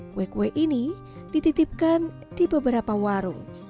kue kue ini dititipkan di beberapa warung